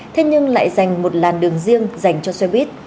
thế nhưng lại dành một làn đường riêng dành cho xe buýt